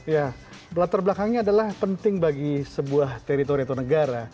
ya latar belakangnya adalah penting bagi sebuah teritori atau negara